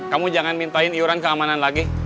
kamu jangan mintain iuran keamanan lagi